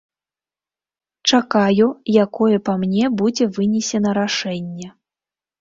Чакаю, якое па мне будзе вынесена рашэнне.